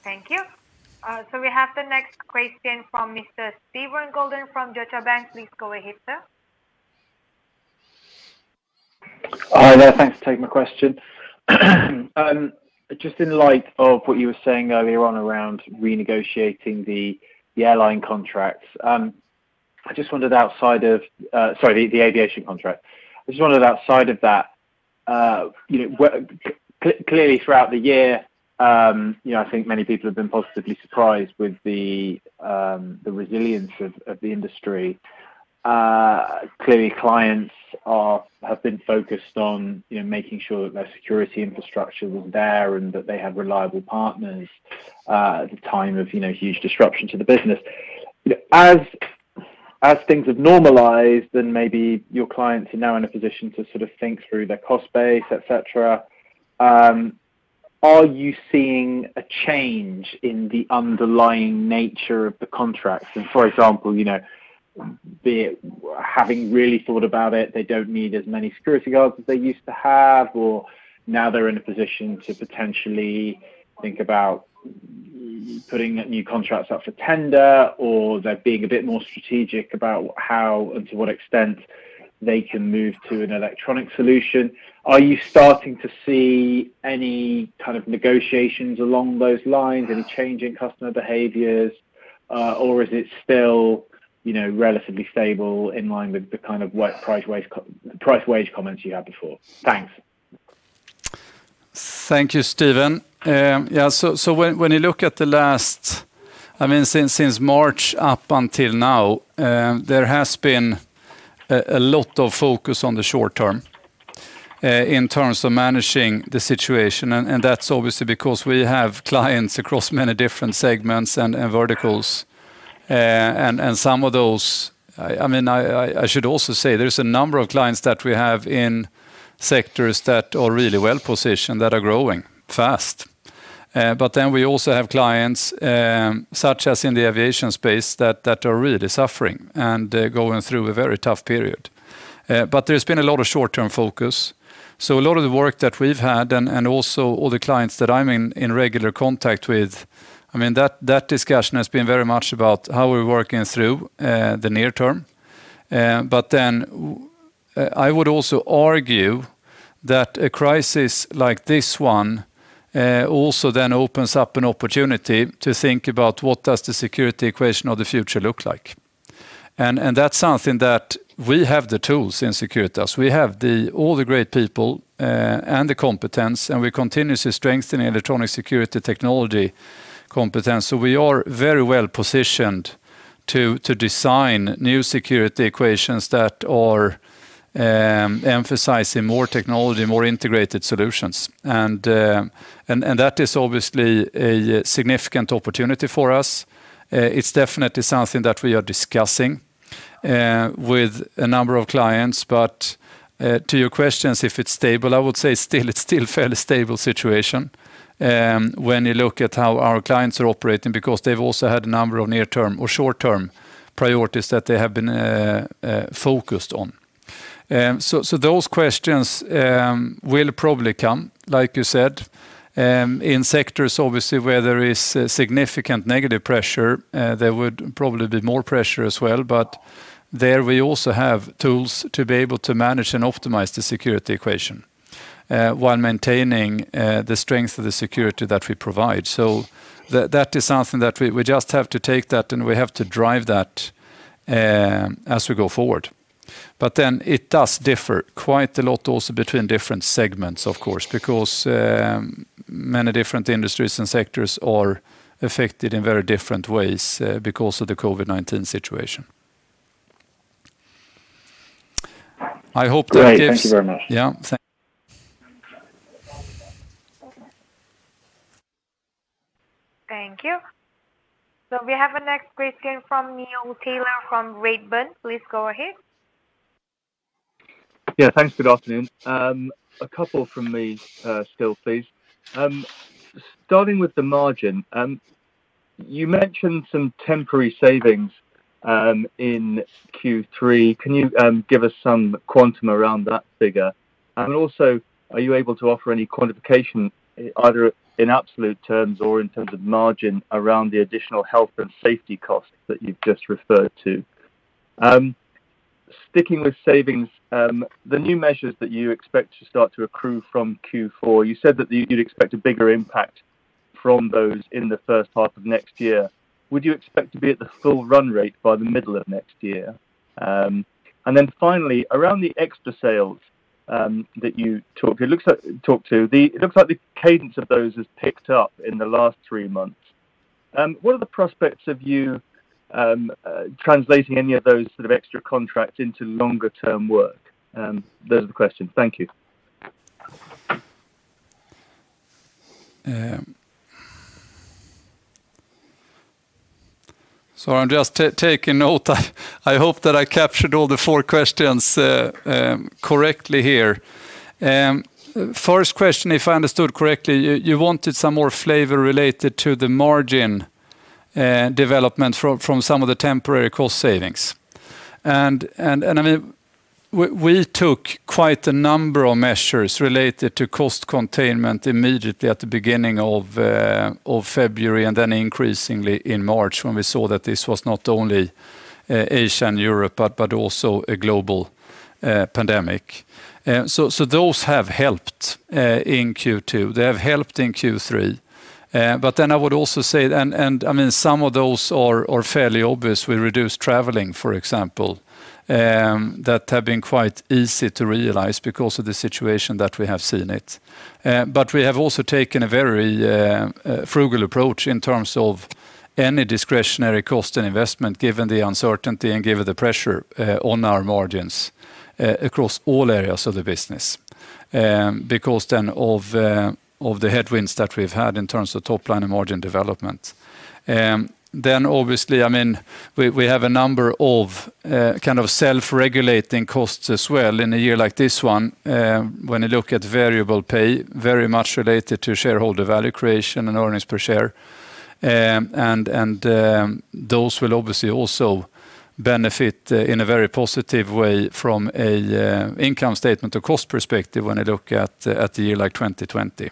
Thank you. We have the next question from Mr. Steven Goulden from Deutsche Bank. Please go ahead, sir. Hi there. Thanks for taking my question. Just in light of what you were saying earlier on around renegotiating the aviation contract. I just wondered outside of that, clearly throughout the year I think many people have been positively surprised with the resilience of the industry. Clearly clients have been focused on making sure that their security infrastructure was there and that they had reliable partners at the time of huge disruption to the business. As things have normalized and maybe your clients are now in a position to sort of think through their cost base, et cetera, are you seeing a change in the underlying nature of the contracts? For example, be it having really thought about it, they don't need as many security guards as they used to have, or now they're in a position to potentially think about. Putting new contracts out for tender, or they're being a bit more strategic about how and to what extent they can move to an electronic solution. Are you starting to see any kind of negotiations along those lines? Any change in customer behaviors? Is it still relatively stable in line with the kind of price wage comments you had before? Thanks. Thank you, Steven. When you look at since March up until now, there has been a lot of focus on the short term in terms of managing the situation. That's obviously because we have clients across many different segments and verticals. I should also say there's a number of clients that we have in sectors that are really well-positioned, that are growing fast. We also have clients, such as in the aviation space, that are really suffering and going through a very tough period. There's been a lot of short-term focus. A lot of the work that we've had and also all the clients that I'm in regular contact with, that discussion has been very much about how we're working through the near term. I would also argue that a crisis like this one also then opens up an opportunity to think about what does the security equation of the future look like. That's something that we have the tools in Securitas. We have all the great people and the competence, and we continuously strengthening electronic security technology competence. We are very well-positioned to design new security equations that are emphasizing more technology, more integrated solutions. That is obviously a significant opportunity for us. It's definitely something that we are discussing with a number of clients. To your questions, if it's stable, I would say it's still fairly stable situation when you look at how our clients are operating, because they've also had a number of near term or short-term priorities that they have been focused on. Those questions will probably come, like you said. In sectors obviously where there is significant negative pressure, there would probably be more pressure as well. There we also have tools to be able to manage and optimize the security equation while maintaining the strength of the security that we provide. That is something that we just have to take that and we have to drive that as we go forward. It does differ quite a lot also between different segments, of course. Many different industries and sectors are affected in very different ways because of the COVID-19 situation. Great. Thank you very much. Yeah. Thank you. Thank you. We have a next question from Neil Tyler from Redburn. Please go ahead. Yeah. Thanks. Good afternoon. A couple from me still, please. Starting with the margin, you mentioned some temporary savings in Q3. Can you give us some quantum around that figure? Also, are you able to offer any quantification, either in absolute terms or in terms of margin around the additional health and safety costs that you've just referred to? Sticking with savings, the new measures that you expect to start to accrue from Q4, you said that you'd expect a bigger impact from those in the first half of next year. Would you expect to be at the full run rate by the middle of next year? Finally, around the extra sales that you talked to, it looks like the cadence of those has picked up in the last three months. What are the prospects of you translating any of those sort of extra contracts into longer term work? Those are the questions. Thank you. Sorry, I'm just taking note. I hope that I captured all the four questions correctly here. First question, if I understood correctly, you wanted some more flavor related to the margin development from some of the temporary cost savings. We took quite a number of measures related to cost containment immediately at the beginning of February, and then increasingly in March when we saw that this was not only Asia and Europe, but also a global pandemic. Those have helped in Q2, they have helped in Q3. I would also say, some of those are fairly obvious. We reduced traveling, for example, that have been quite easy to realize because of the situation that we have seen it. We have also taken a very frugal approach in terms of any discretionary cost and investment, given the uncertainty and given the pressure on our margins across all areas of the business because then of the headwinds that we've had in terms of top line and margin development. Obviously, we have a number of kind of self-regulating costs as well in a year like this one. When you look at variable pay, very much related to shareholder value creation and earnings per share. Those will obviously also benefit in a very positive way from income statement or cost perspective when you look at the year like 2020.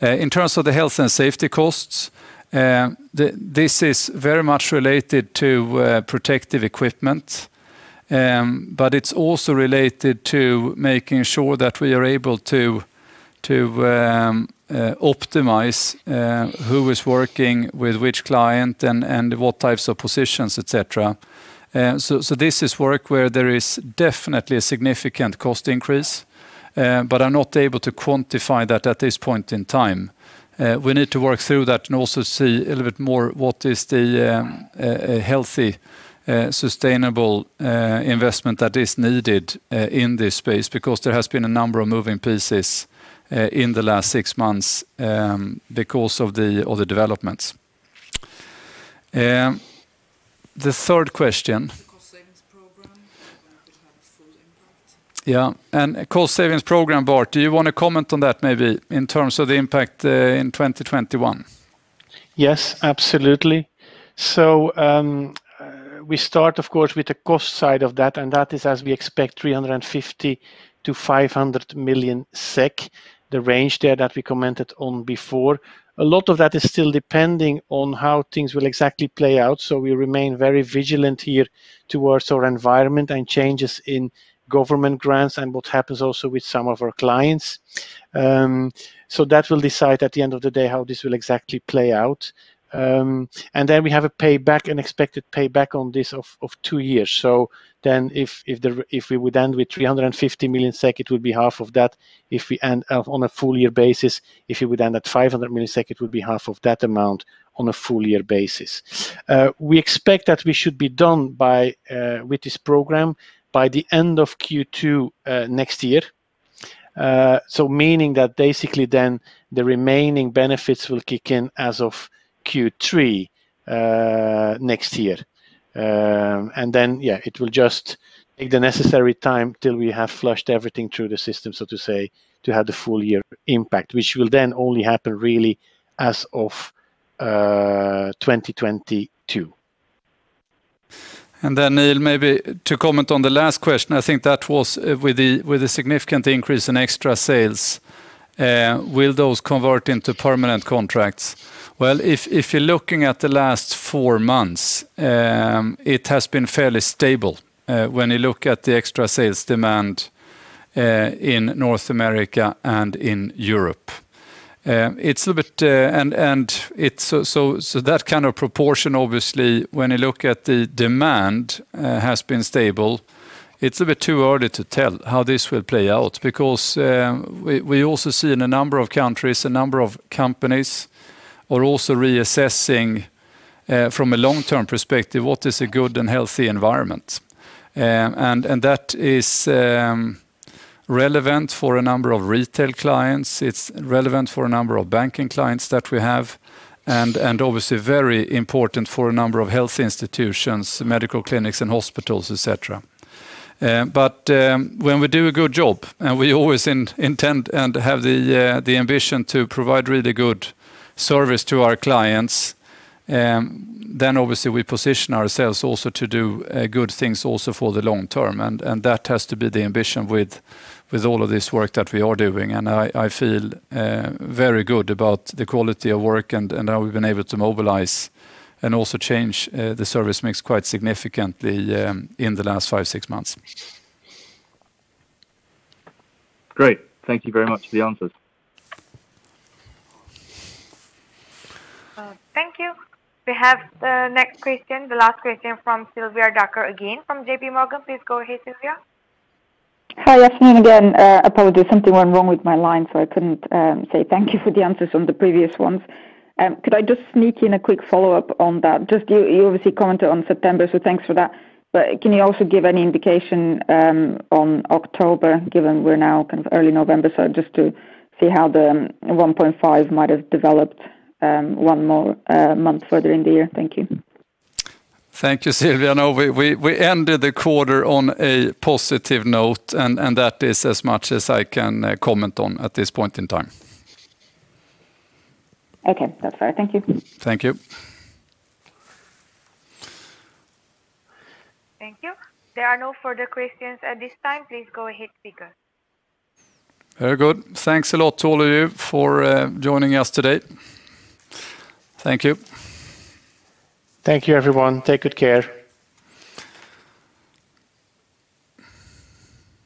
In terms of the health and safety costs, this is very much related to protective equipment, but it's also related to making sure that we are able to optimize who is working with which client and what types of positions, et cetera. This is work where there is definitely a significant cost increase, but I'm not able to quantify that at this point in time. We need to work through that and also see a little bit more what is the healthy, sustainable investment that is needed in this space because there has been a number of moving pieces in the last six months because of the developments. The third question. The cost savings program, when it will have a full impact? Yeah. Cost savings program. Bart, do you want to comment on that maybe in terms of the impact in 2021? Yes, absolutely. We start, of course, with the cost side of that, and that is as we expect 350 million-500 million SEK. The range there that we commented on before. A lot of that is still depending on how things will exactly play out. We remain very vigilant here towards our environment and changes in government grants and what happens also with some of our clients. That will decide at the end of the day how this will exactly play out. We have an expected payback on this of two years. If we would end with 350 million SEK, it would be half of that if we end on a full year basis. If we would end at 500 million SEK, it would be half of that amount on a full year basis. We expect that we should be done with this program by the end of Q2 next year. Meaning that basically then the remaining benefits will kick in as of Q3 next year. Then it will just take the necessary time till we have flushed everything through the system, so to say, to have the full year impact, which will then only happen really as of 2022. Neil, maybe to comment on the last question, I think that was with the significant increase in extra sales, will those convert into permanent contracts? Well, if you're looking at the last four months, it has been fairly stable when you look at the extra sales demand in North America and in Europe. That kind of proportion, obviously, when you look at the demand has been stable. It's a bit too early to tell how this will play out because we also see in a number of countries, a number of companies are also reassessing from a long-term perspective what is a good and healthy environment. That is relevant for a number of retail clients. It's relevant for a number of banking clients that we have, and obviously very important for a number of health institutions, medical clinics and hospitals, et cetera. When we do a good job, and we always intend and have the ambition to provide really good service to our clients, then obviously we position ourselves also to do good things also for the long term. That has to be the ambition with all of this work that we are doing. I feel very good about the quality of work and how we've been able to mobilize and also change the service mix quite significantly in the last five, six months. Great. Thank you very much for the answers. Thank you. We have the next question, the last question from Sylvia Barker again from JPMorgan. Please go ahead, Sylvia. Hi. Afternoon again. Apologies, something went wrong with my line, so I couldn't say thank you for the answers on the previous ones. Could I just sneak in a quick follow-up on that? You obviously commented on September, thanks for that. Can you also give any indication on October, given we're now kind of early November? Just to see how the 1.5 might have developed one more month further in the year. Thank you. Thank you, Sylvia. No, we ended the quarter on a positive note, and that is as much as I can comment on at this point in time. Okay. That's fair. Thank you. Thank you. Thank you. There are no further questions at this time. Please go ahead, speakers. Very good. Thanks a lot to all of you for joining us today. Thank you. Thank you, everyone. Take good care.